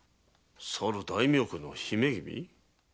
さる大名家の姫君？